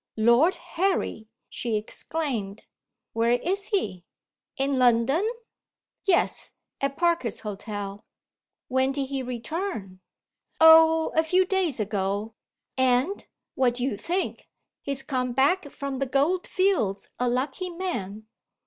"Lord Harry!" she exclaimed. "Where is he? In London?" "Yes at Parker's Hotel." "When did he return?" "Oh, a few days ago; and what do you think? he's come back from the goldfields a lucky man.